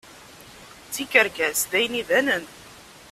D tikerkas d ayen ibanen.